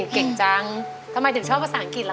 เก่งจังทำไมถึงชอบภาษาอังกฤษล่ะ